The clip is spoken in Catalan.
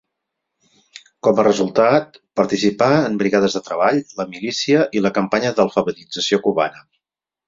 Com a resultat, participà en brigades de treball, la milícia, i la Campanya d'Alfabetització cubana.